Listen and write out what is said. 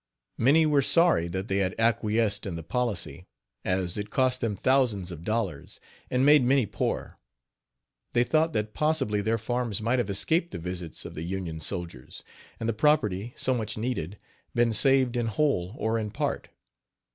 Many were sorry that they had acquiesced in the policy, as it cost them thousands of dollars, and made many poor. They thought that possibly their farms might have escaped the visits of the Union soldiers, and the property, so much needed, been saved in whole or in part.